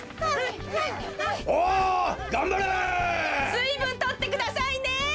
すいぶんとってくださいね！